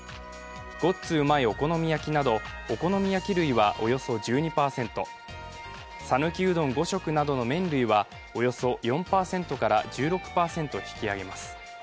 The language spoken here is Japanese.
ごっつ旨いお好み焼などお好み焼き類はおよそ１２％さぬきうどん５食などの麺類はおよそ４％から１６％引き上げます。